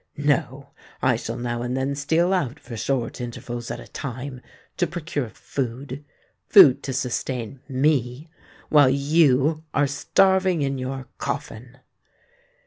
No! I shall now and then steal out for short intervals at a time, to procure food—food to sustain me, while you are starving in your coffin!"